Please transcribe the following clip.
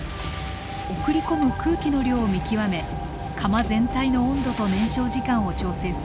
送り込む空気の量を見極め窯全体の温度と燃焼時間を調整する。